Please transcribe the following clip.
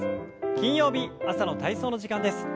金曜日朝の体操の時間です。